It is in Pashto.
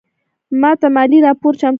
ماته مالي راپور چمتو کړه